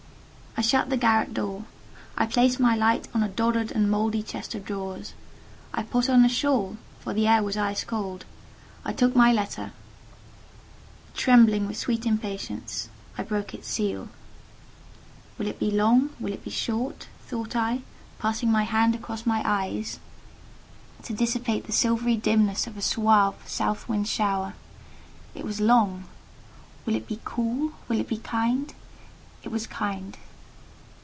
I shut the garret door; I placed my light on a doddered and mouldy chest of drawers; I put on a shawl, for the air was ice cold; I took my letter; trembling with sweet impatience, I broke its seal. "Will it be long—will it be short?" thought I, passing my hand across my eyes to dissipate the silvery dimness of a suave, south wind shower. It was long. "Will it be cool?—will it be kind?" It was kind.